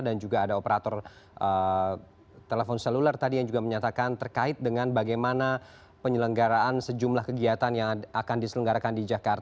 dan juga ada operator telepon seluler tadi yang juga menyatakan terkait dengan bagaimana penyelenggaraan sejumlah kegiatan yang akan diselenggarakan di jakarta